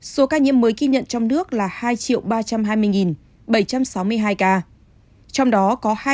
số ca nhiễm mới kinh nhận trong nước là